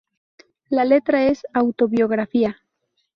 La letra es autobiográfica.